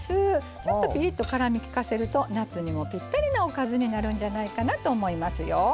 ちょっとピリッと辛みきかせると夏にもぴったりのおかずになるんじゃないかなと思いますよ。